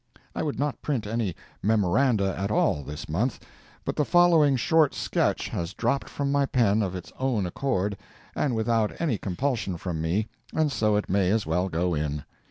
I would not print any MEMORANDA at all this month, but the following short sketch has dropped from my pen of its own accord and without any compulsion from me, and so it may as well go in.